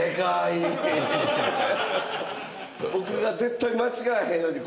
僕が絶対間違えへんように。